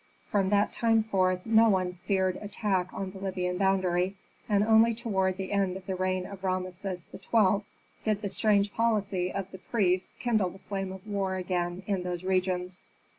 From that time forth no one feared attack on the Libyan boundary, and only toward the end of the reign of Rameses XII. did the strange policy of the priests kindle the flame of war again in those regions.